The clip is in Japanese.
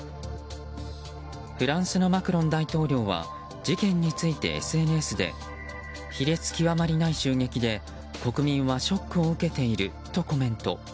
フランスのマクロン大統領は事件についてＳＮＳで卑劣極まりない襲撃で国民はショックを受けているとコメント。